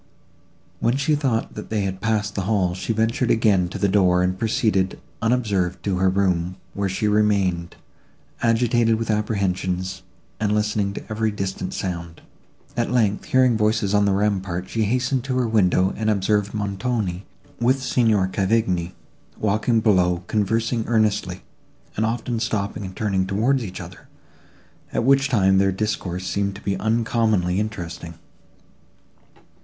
When she thought that they had passed the hall, she ventured again to the door, and proceeded, unobserved, to her room, where she remained, agitated with apprehensions, and listening to every distant sound. At length, hearing voices on the rampart, she hastened to her window, and observed Montoni, with Signor Cavigni, walking below, conversing earnestly, and often stopping and turning towards each other, at which time their discourse seemed to be uncommonly interesting.